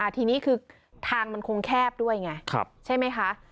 ทีนี้คือทางมันคงแคบด้วยไงใช่ไหมคะ